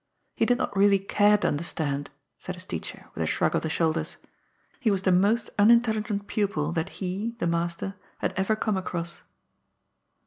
*^ He did not really care to understand," said his teacher with a shmg of the shoulders. ^ He was the most unintelligent pupil that he — ^the master — ^had ever come across."